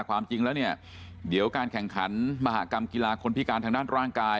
ความจริงแล้วเนี่ยเดี๋ยวการแข่งขันมหากรรมกีฬาคนพิการทางด้านร่างกาย